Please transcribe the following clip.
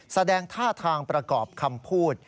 แสดงท่าทางประกอบคำพูด